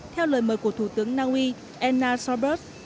theo lời mời của thủ tướng naui enar sorbert